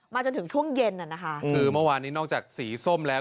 จนถึงช่วงเย็นน่ะนะคะคือเมื่อวานนี้นอกจากสีส้มแล้ว